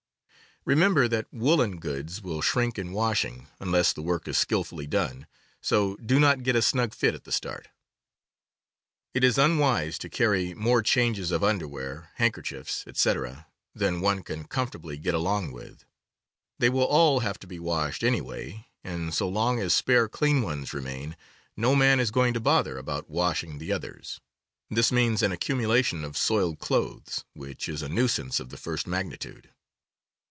Remember that woolen goods will shrink in washing, unless the work is skilfully done; so do not get a snug fit at the start. It is unwise tr^ carry more changes of underwear, THE SPORTSMAN'S CLOTHING 13 handkerchiefs, etc., than one can comfortably get along with. They will all have to be washed, anyway, and so long as spare clean ones remain no man is going to bother about washing the others. This means an ac cumulation of soiled clothes, which is a nuisance of the first magnitude.